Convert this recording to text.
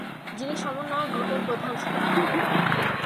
যিনি সমন্বয়ক গ্রুপের প্রধান ছিলেন।